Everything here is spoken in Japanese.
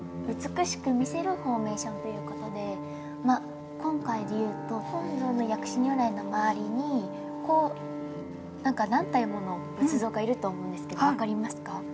「美しく魅せるフォーメーション」ということで今回でいうと本尊の薬師如来の周りにこうなんか何体もの仏像がいると思うんですけど分かりますか？